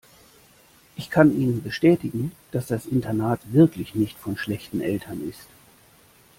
Ich kann Ihnen bestätigen, dass das Internat wirklich nicht von schlechten Eltern ist.